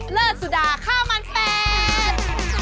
เลอดสุดาข้าวมันเป็ด